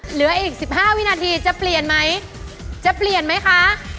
เหลืออีก๑๕วินาทีจะเปลี่ยนไหมจะเปลี่ยนไหมคะ